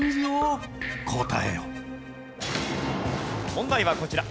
問題はこちら。